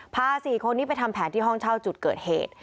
๔คนนี้ไปทำแผนที่ห้องเช่าจุดเกิดเหตุ